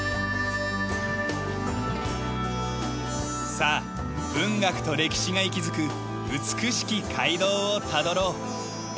さあ文学と歴史が息づく美しき街道をたどろう。